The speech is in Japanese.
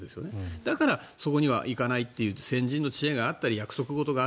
だから、そこにはいかないという先人の知恵があったり約束事がある。